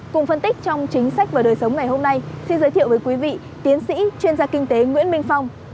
cùng phân tích trong chính sách và đời sống ngày hôm nay xin giới thiệu với quý vị tiến sĩ chuyên gia kinh tế nguyễn minh phong